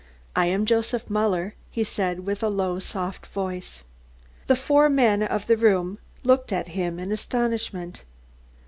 "I am Joseph Muller," he said with a low, soft voice. The four men in the room looked at him in astonishment.